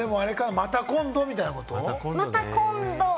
また今度みたいなこと？